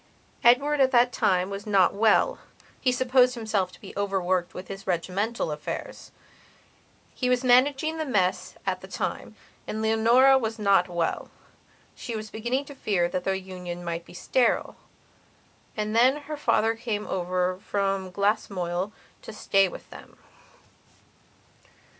Edward at that time was not well; he supposed himself to be overworked with his regimental affairshe was managing the mess at the time. And Leonora was not wellshe was beginning to fear that their union might be sterile. And then her father came over from Glasmoyle to stay with them.